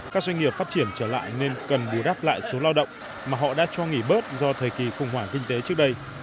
các doanh nghiệp phát triển trở lại nên cần bù đắp lại số lao động mà họ đã cho nghỉ bớt do thời kỳ khủng hoảng kinh tế trước đây